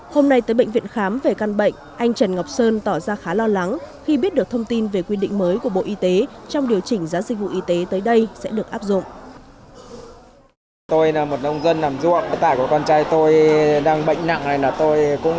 hôm nay tới bệnh viện khám về căn bệnh anh trần ngọc sơn tỏ ra khá lo lắng khi biết được thông tin về quy định mới của bộ y tế trong điều chỉnh giá dịch vụ y tế tới đây sẽ được áp dụng